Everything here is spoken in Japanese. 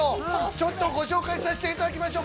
ちょっとご紹介させていただきましょう。